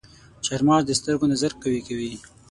چارمغز د سترګو نظر قوي کوي.